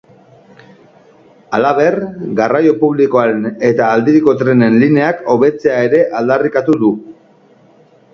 Halaber, garraio publikoaren eta aldiriko trenen lineak hobetzea ere aldarrikatu du.